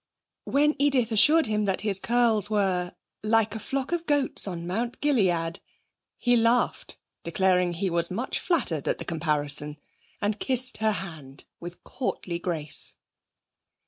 When Edith assured him that his curls were 'like a flock of goats on Mount Gilead' he laughed, declared he was much flattered at the comparison, and kissed her hand with courtly grace.